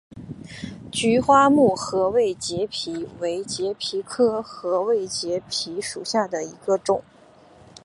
菊花木合位节蜱为节蜱科合位节蜱属下的一个种。